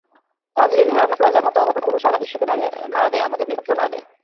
তাজরিন, রানাপ্লাজার মতো অঘটনগুলো সারা বিশ্বকে নাড়া দেয়, আমাদের বিবেকেও নাড়া দেয়।